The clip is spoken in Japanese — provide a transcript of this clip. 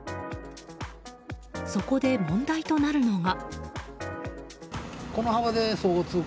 そこで問題となるのが。